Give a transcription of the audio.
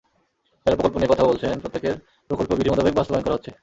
যাঁরা প্রকল্প নিয়ে কথা বলছেন, প্রত্যেকের প্রকল্প বিধিমোতাবেক বাস্তবায়ন করা হচ্ছে।